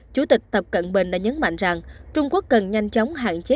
chủ tịch tập cận bình đã nhấn mạnh rằng trung quốc cần nhanh chóng hạn chế